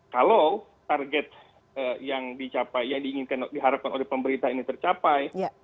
kalau target yang diinginkan diharapkan oleh pemerintah ini tercapai